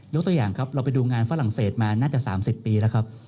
ตัวอย่างครับเราไปดูงานฝรั่งเศสมาน่าจะ๓๐ปีแล้วครับ